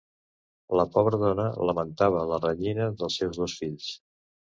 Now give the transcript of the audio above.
La pobra dona lamentava la renyina dels seus dos fills.